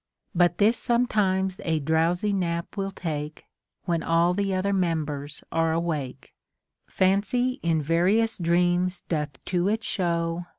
But this sometimes a drowsy nap will take. When all the other members are awake. Fancy in various dreams doth to it show.